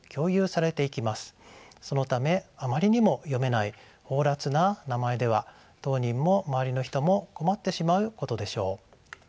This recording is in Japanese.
そのためあまりにも読めない放らつな名前では当人も周りの人も困ってしまうことでしょう。